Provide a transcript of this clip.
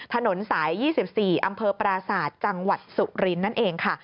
ถนนสาย๒๔อำเภอปราศาสตร์จังหวัดสุรินทร์นั่นเองค่ะ